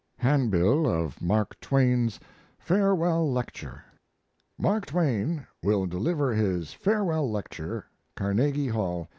HANDBILL OF MARK TWAIN'S "FAREWELL LECTURE": MARK TWAIN Will Deliver His Farewell Lecture CARNEGIE HALL.